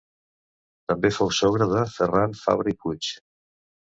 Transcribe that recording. També fou sogre de Ferran Fabra i Puig.